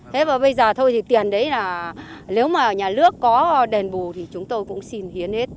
thế và bây giờ thôi thì tiền đấy là nếu mà nhà nước có đền bù thì chúng tôi cũng xin hiến hết